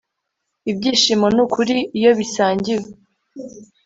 Ibyishimo nukuri iyo bisangiwe